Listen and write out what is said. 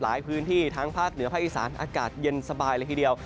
พื้นที่ทั้งภาคเหนือภาคอีสานอากาศเย็นสบายเลยทีเดียว